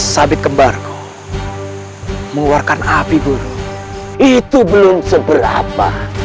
sabit kembargo mengeluarkan api burung itu belum seberapa